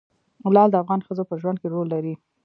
لعل د افغان ښځو په ژوند کې رول لري.